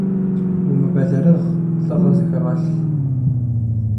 Умыбэлэрыгъ, лӏыгъэ зыхэгъэлъ!